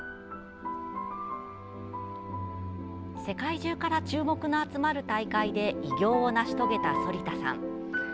世界中から注目の集まる大会で偉業を成し遂げた反田さん。